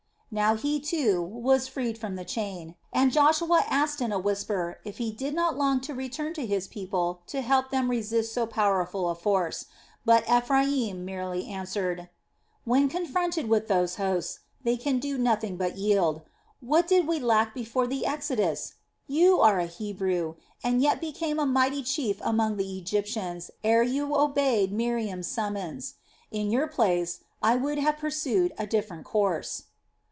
Now he, too, was freed from the chain, and Joshua asked in a whisper if he did not long to return to his people to help them resist so powerful a force, but Ephraim merely answered: "When confronted with those hosts, they can do nothing but yield. What did we lack before the exodus? You were a Hebrew, and yet became a mighty chief among the Egyptians ere you obeyed Miriam's summons. In your place, I would have pursued a different course."